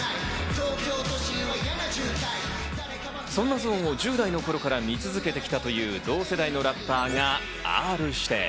そんなＺＯＲＮを１０代の頃から見続けてきたという同世代のラッパーがＲ−指定。